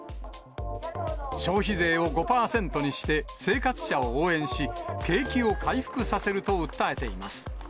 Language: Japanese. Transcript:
消費税を５％にして、生活者を応援し、景気を回復させると訴えています。